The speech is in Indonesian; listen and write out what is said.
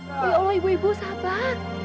oh iya allah ibu ibu sabat